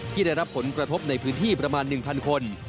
ที่ได้รับผลกระทบในพื้นที่ประมาณ๑๐๐คน